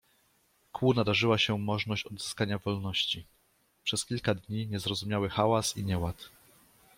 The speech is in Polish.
Kłu nadarzyła się możność odzyskania wolności. Przez kilka dni niezrozumiały hałas i nieład